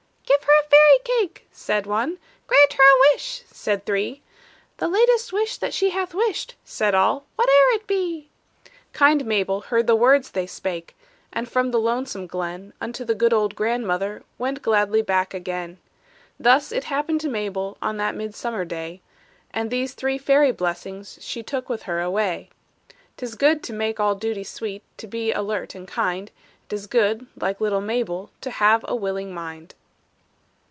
"Give her a fairy cake!" said one; "Grant her a wish!" said three; "The latest wish that she hath wished," Said all, "whate'er it be!" Kind Mabel heard the words they spake, And from the lonesome glen Unto the good old grandmother Went gladly back again. Thus happened it to Mabel On that midsummer day, And these three fairy blessings She took with her away. 'T is good to make all duty sweet, To be alert and kind; 'T is good, like little Mabel, To have a willing mind.